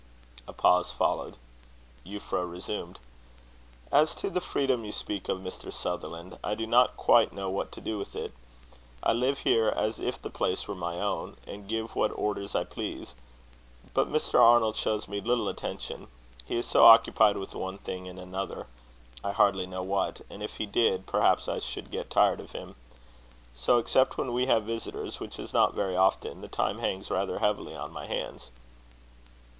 A pause followed. Euphra resumed: "As to the freedom you speak of, Mr. Sutherland, I do not quite know what to do with it. I live here as if the place were my own, and give what orders I please. But Mr. Arnold shows me little attention he is so occupied with one thing and another, I hardly know what; and if he did, perhaps I should get tired of him. So, except when we have visitors, which is not very often, the time hangs rather heavy on my hands."